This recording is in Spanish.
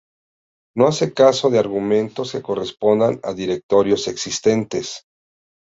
No hace caso de argumentos que correspondan a directorios existentes.